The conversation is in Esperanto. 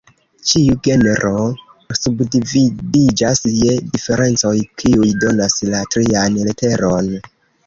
Ĉiu Genro subdividiĝas je "Diferencoj", kiuj donas la trian leteron.